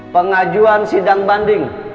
pengajuan sidang banding